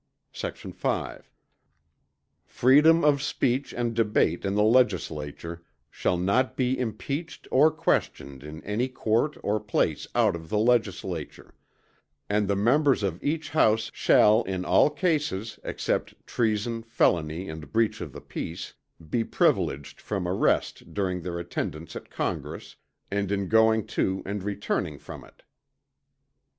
Sect. 5. Freedom of speech and debate in the Legislature shall not be impeached or questioned in any court or place out of the Legislature; and the members of each House shall, in all cases, except treason, felony and breach of the peace, be privileged from arrest during their attendance at Congress, and in going to and returning from it.